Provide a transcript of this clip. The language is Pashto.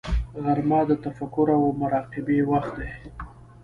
غرمه د تفکر او مراقبې وخت دی